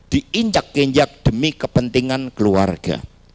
diinjak injak demi kepentingan keluarga